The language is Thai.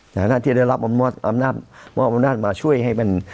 หน้าที่ได้รับอำนาจมาช่วยให้เป็น